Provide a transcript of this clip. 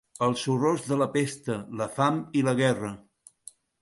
Els horrors de la pesta, la fam i la guerra.